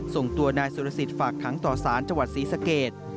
ส่งตัวนายสุรสิทธิ์ฝากขังต่อสารจังหวัดศรีสเกต